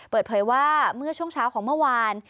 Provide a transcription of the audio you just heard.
เปิดเผยว่าเมื่อช่วงเช้าของเมื่อวาน